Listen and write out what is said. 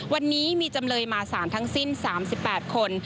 วันนี้มีจำเลยมาสารทั้งสิ้น๓๘คน